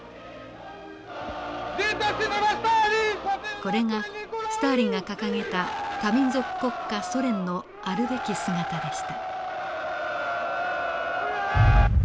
これがスターリンが掲げた多民族国家ソ連のあるべき姿でした。